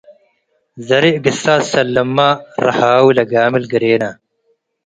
ዘርእ ግሳስ ሰልመ - ረሃዊ ለጋምል ግሬና